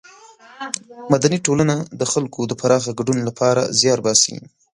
مدني ټولنه د خلکو د پراخه ګډون له پاره زیار باسي.